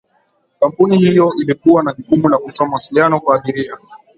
kampuni hiyo ilikuwa na jukumu la kutoa mawasiliano kwa abiria